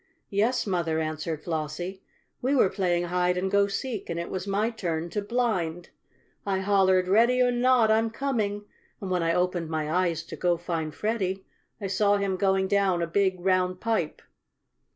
"Yes, Mother," answered Flossie. "We were playing hide and go seek, and it was my turn to blind. I hollered 'ready or not I'm coming!' and when I opened my eyes to go to find Freddie, I saw him going down a big, round pipe."